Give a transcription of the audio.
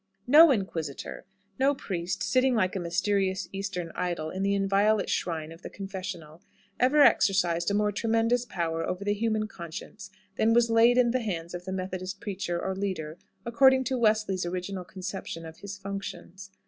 No inquisitor no priest, sitting like a mysterious Eastern idol in the inviolate shrine of the confessional ever exercised a more tremendous power over the human conscience than was laid in the hands of the Methodist preacher or leader according to Wesley's original conception of his functions.